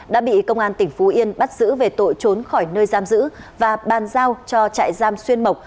đã bị công an tỉnh phú yên bắt giữ về tội trốn khỏi nơi giam giữ và bàn giao cho trại giam xuyên mộc